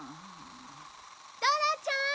ドラちゃん！